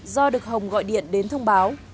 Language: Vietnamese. do được hồng gọi điện đến thông báo